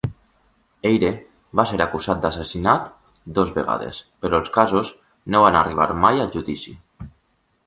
Eyre va ser acusat d'assassinat dues vegades, però els casos no van arribar mai a judici.